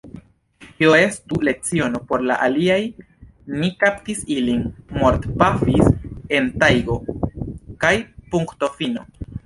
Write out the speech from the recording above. Tio estu leciono por la aliaj: ni kaptis ilin, mortpafis en tajgo, kaj punktofino!